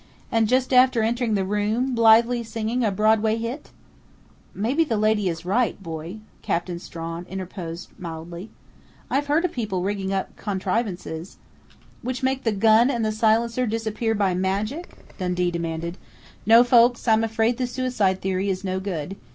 And just after entering the room, blithely singing a Broadway hit?" "Maybe the lady is right, boy," Captain Strawn interposed mildly. "I've heard of people rigging up contrivances " "Which make the gun and the silencer disappear by magic?" Dundee demanded. "No, folks, I'm afraid the suicide theory is no good....